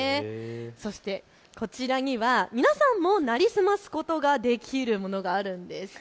そしてこちらには皆さんもなりすますことができるものがあるんです。